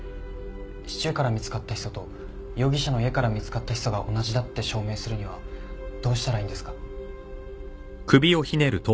シチューから見つかったヒ素と容疑者の家から見つかったヒ素が同じだって証明するにはどうしたらいいんですか？